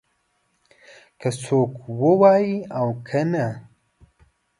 که څوک ووايي او که نه.